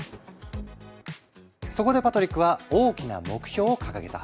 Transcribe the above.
そこでパトリックは大きな目標を掲げた。